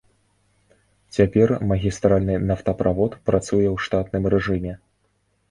Цяпер магістральны нафтаправод працуе ў штатным рэжыме.